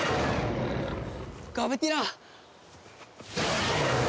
ガブティラ！